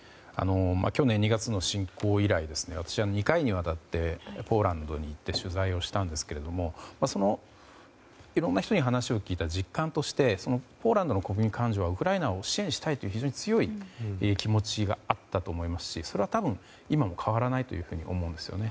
去年２月の侵攻以来私は２回にわたってポーランドに行って取材をしたんですけどもそこで、いろんな人に話を聞いた実感としてポーランドの国民感情はウクライナを支援したいと非常に強い気持ちがあったと思いますしそれは多分今も変わらないと思うんですね。